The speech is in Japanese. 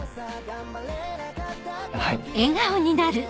はい。